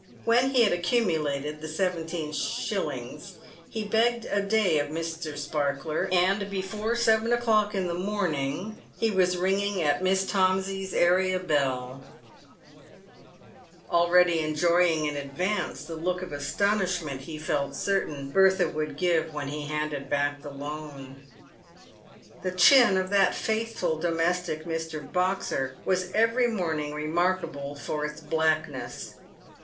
When he had accumu lated the seventeen shillings, he begged a day of Mr. Sparkler, and before seven o'clock in the morning he was ringing at Miss Tomsey's area bell, already enjoying in advance the look of astonishment he felt certain Bertha would give when he handed back the loan. The chin of that faithful domestic, Mr. Boxer, was every morning remarkable for its blackness.